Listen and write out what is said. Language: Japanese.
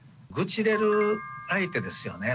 愚痴れる相手ですよね。